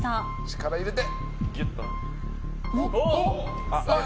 力を入れて！